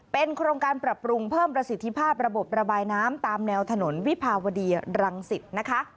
เป็นโครงการปรับปรุงเพิ่มประสิทธิภาพระบบระบายน้ำตามแนวถนนวิภาวดีรังสิตนะคะ